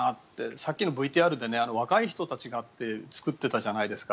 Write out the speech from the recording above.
さっきのＶＴＲで若い人たちがって作ってたじゃないですか。